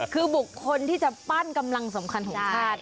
คือบุคคลที่จะปั้นกำลังสำคัญของชาติ